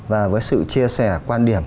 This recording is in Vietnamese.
và với sự chia sẻ quan điểm